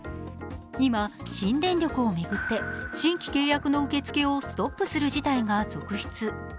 今、新電力を巡って新規契約の受け付けをストップする事態が続出。